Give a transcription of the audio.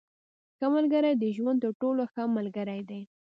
• ښه ملګری د ژوند تر ټولو ښه ملګری دی.